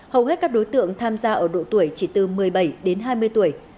hầu hết các đối tượng tham gia ở độ tuổi chỉ từ một mươi bảy đến hai mươi tuổi